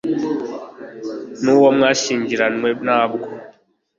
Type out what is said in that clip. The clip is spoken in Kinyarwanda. nu wo mwashyingiranywe, ntabwo